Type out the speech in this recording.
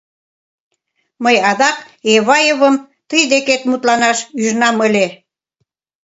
— Мый адак Эваевым тый декет мутланаш ӱжынам ыле...